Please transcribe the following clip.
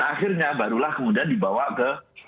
akhirnya barulah kemudian dibawa ke